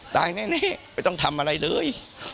แน่ไม่ต้องทำอะไรเลย